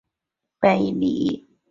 贝里也有良好的表现。